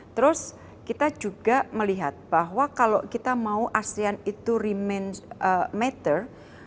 terus kita juga melihat bahwa kalau kita mau asean itu remain matter